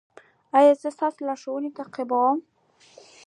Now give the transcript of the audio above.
ایا زه ستاسو لارښوونې تعقیبوم؟